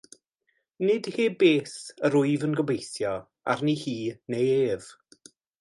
Nid heb beth, yr wyf yn gobeithio, arni hi neu ef.